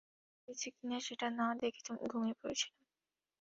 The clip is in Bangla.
সে রুমে এসেছে কিনা সেটা না দেখে ঘুমিয়ে পড়েছিলাম।